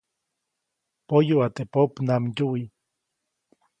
Poyuʼa teʼ popnamdyuwi.